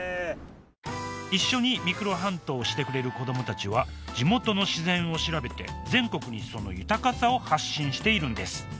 一緒にミクロハントをしてくれる子どもたちは地元の自然を調べて全国にその豊かさを発信しているんです。